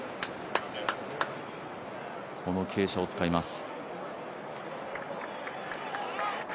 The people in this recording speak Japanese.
この傾斜を使います。